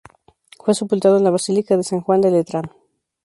Fue sepultado en la Basílica de San Juan de Letrán.